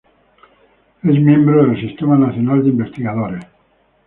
Es miembro del Sistema Nacional de Investigadores.